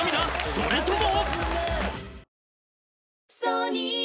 それとも？